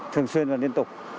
thường xuyên và liên tục